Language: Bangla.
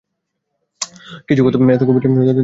কিছু ক্ষত এতো গভীর যে তাতে হাত ঢুকে যায়।